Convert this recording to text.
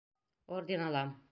Орден алам.